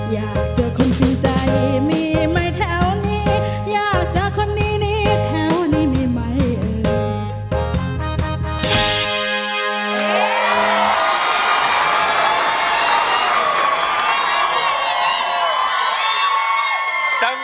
อยากเจอคนจริงใจมีไหมแถวนี้อยากเจอคนนี้แถวนี้มีไหมเอ่ย